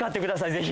ぜひ。